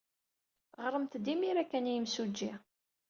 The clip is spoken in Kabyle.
Ɣremt-d imir-a kan i yimsujji.